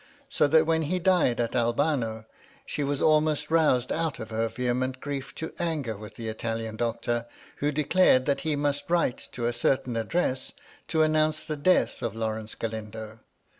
So iJiat, when he died at 800 MY LADY LUDLOW. Albano, she was almost roused out of her ydbement grief to anger with the Italian doctor, who declared that he must write to a certain address to announce the death of Lawrence Galindo.